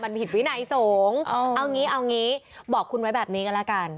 มันผิดไว้ไหนสงเอางี้เอางี้บอกคุณไว้แบบนี้กันละกัน